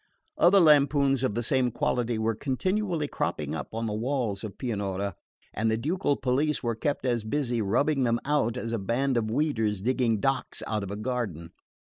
Other lampoons of the same quality were continually cropping up on the walls of Pianura, and the ducal police were kept as busy rubbing them out as a band of weeders digging docks out of a garden.